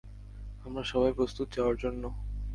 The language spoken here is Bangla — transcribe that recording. আমরা সবাই প্রস্তুত যাওয়ার জন্য।